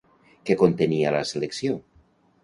Què contenia la selecció?